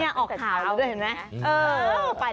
นี้ออกข่าวเลยเห็นไหม